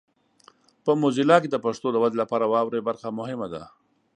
په موزیلا کې د پښتو د ودې لپاره واورئ برخه مهمه ده.